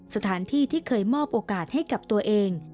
สถานที่ที่เคยมอบโอกาสให้กับตัวเอง